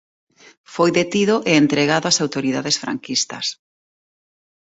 Foi detido e entregado ás autoridades franquistas.